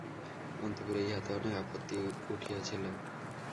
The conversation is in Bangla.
অন্তঃপুরে ইহাতে অনেক আপত্তি উঠিয়াছিল।